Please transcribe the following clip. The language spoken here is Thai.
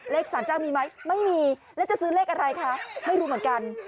สารเจ้ามีไหมไม่มีแล้วจะซื้อเลขอะไรคะไม่รู้เหมือนกัน